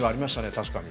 確かに。